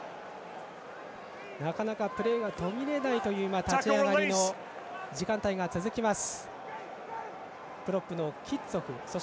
なかなかプレーが途切れない立ち上がりの時間帯が続きます。